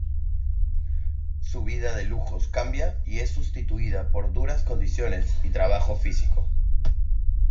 Su vida de lujos cambia y es sustituida por duras condiciones y trabajo físico.